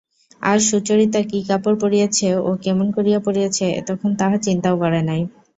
আজ সুচরিতা কী কাপড় পরিয়াছে ও কেমন করিয়া পরিয়াছে এতক্ষণ তাহা চিন্তাও করে নাই।